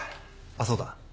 あっそうだ。